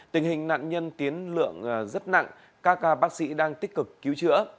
tình hình nạn nhân tiến lượng rất nặng các bác sĩ đang tích cực cứu chữa